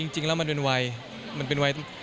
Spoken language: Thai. จริงแล้วมันเป็นวัย